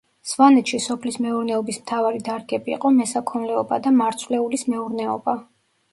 სვანეთში სოფლის მეურნეობის მთავარი დარგები იყო მესაქონლეობა და მარცვლეულის მეურნეობა.